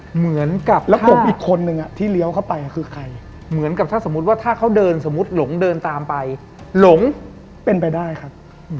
เหมือนกับแล้วผมอีกคนนึงที่เลี้ยวเข้าไปคือใครเหมือนกับถ้าสมมุติว่าถ้าเขาเดินสมมุติหลงเดินตามไปหลงเป็นไปได้ครับ